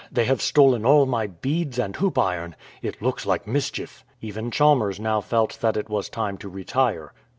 They have stolen all my beads and hoop iron. It looks like mischief." Even Chalmers now felt that it was time to retire.